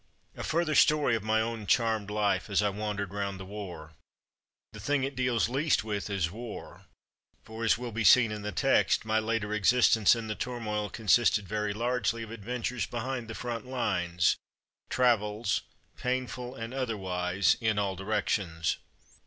A further story of my own charmed life as I wandered round the war. The thing it deals least with is war ; for, as will be seen in the text, my later existence in the turmoil consisted very largely of adventures behind the front lines, travels (painful and otherwise) in "all directions.